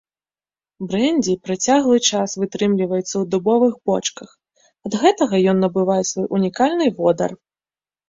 Брэндзі працяглы час вытрымліваецца ў дубовых бочках, ад гэтага ён набывае свой унікальны водар.